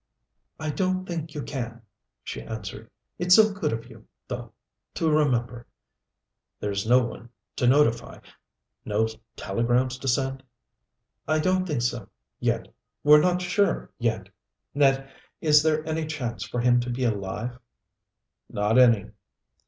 "I don't think you can," she answered. "It's so good of you, though, to remember " "There's no one to notify no telegrams to send " "I don't think so, yet. We're not sure yet. Ned, is there any chance for him to be alive " "Not any."